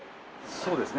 そうですね。